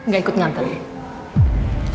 gak ikut ngantar ya